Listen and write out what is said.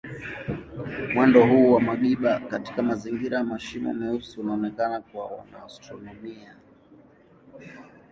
Mwendo huu wa magimba katika mazingira ya mashimo meusi unaonekana kwa wanaastronomia.